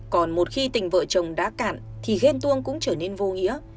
còn một khi tình vợ chồng đã cạn thì ghen tuông cũng trở nên vô nghĩa